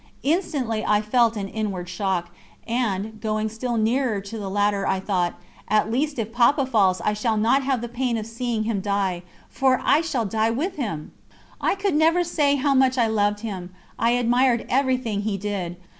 Instantly I felt an inward shock, and, going still nearer to the ladder, I thought: "At least if Papa falls I shall not have the pain of seeing him die, for I shall die with him." I could never say how much I loved him. I admired everything he did.